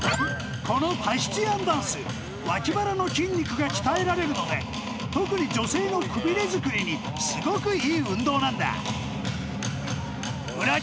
このタヒチアンダンス脇腹の筋肉が鍛えられるので特に女性のくびれづくりにすごくいい運動なんだぶら